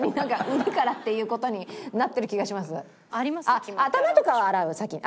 あっ頭とかは洗うよ先に。